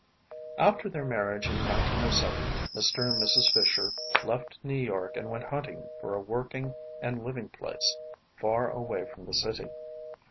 After their marriage in 1907, Mr. and Mrs. Fisher left New York and went hunting for a working and living place far away from the city.